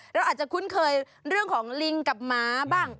เราอาจจะคุ้นเคยเรื่องของลิงกับหมาบ้าง